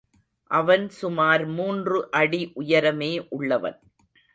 அவன் சுமார் மூன்று அடி உயரமே உள்ளவன்.